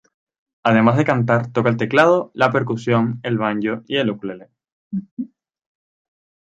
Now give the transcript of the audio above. Además de cantar, toca el teclado, la percusión, el banjo y el ukelele.